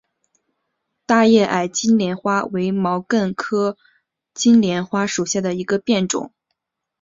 大叶矮金莲花为毛茛科金莲花属下的一个变种。